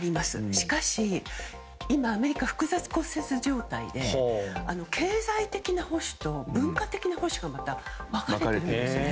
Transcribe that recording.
しかし、今アメリカは複雑骨折状態で経済的な保守と文化的な保守が分かれているんです。